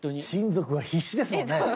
親族が必死ですもんね。